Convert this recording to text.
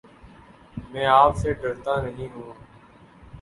میں آپ سے ڈرتا نہیں ہوں